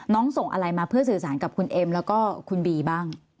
ส่งอะไรมาเพื่อสื่อสารกับคุณเอ็มแล้วก็คุณบีบ้าง